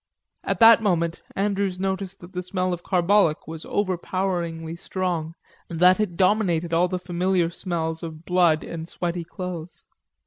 At that moment Andrews noticed that the smell of carbolic was overpoweringly strong, that it dominated all the familiar smells of blood and sweaty clothes.